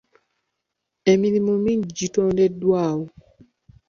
Emirimu mingi gitondeddwawo.